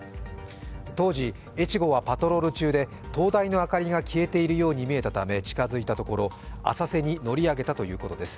当時、「えちご」はパトロール中で灯台の明かりが消えているように見えたため近づいたところ浅瀬に乗り上げたということです。